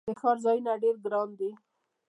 د ښار ځایونه ډیر ګراندي